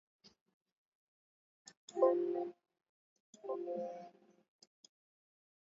Mama arienda kusoko ku uzisha lengalenga iri tosha ku mashamba